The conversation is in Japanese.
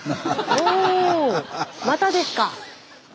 おっまたですか！